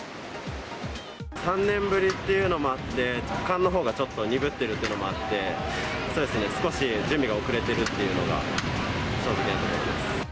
３年ぶりっていうのもあって、勘のほうがちょっと鈍ってるっていうのもあって、そうですね、少し準備が遅れてるというのが正直なところです。